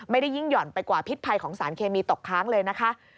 ยิ่งหย่อนไปกว่าพิษภัยของสารเคมีตกค้างเลยนะคะ